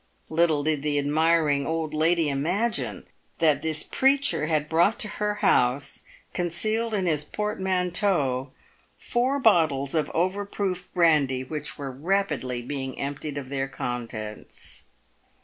Little did the admiring old lady imagine that this preacher had brought to her house, concealed in his portmanteau, four bottles of overproof brandy w T hich were rapidly being emptied of their contents.